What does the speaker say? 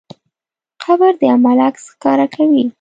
قبر د عمل عکس ښکاره کوي.